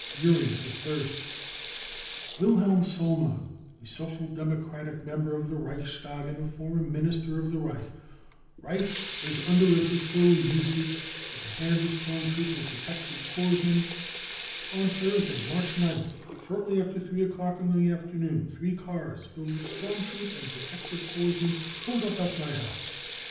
55 Urine for Thirst. Wilhelm Sollmann, a Social ^Demo cratic member of the Reichstag and a former Minister of the Reich, writes as under of his ill usage at the hands of storm troop and protective corps men : £C On Thursday, March 9th, shortly after three o'clock in j —th e afternoon, thr&e cars filled with storm troop and protective corps men pulled up at my house.